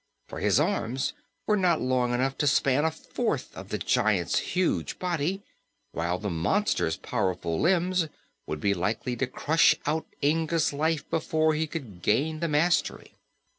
For his arms were not long enough to span a fourth of the giant's huge body, while the monster's powerful limbs would be likely to crush out Inga's life before he could gain the mastery.